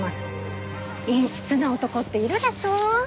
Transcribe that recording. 陰湿な男っているでしょ？